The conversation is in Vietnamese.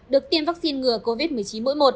được tiêm vaccine ngừa covid một mươi chín mỗi một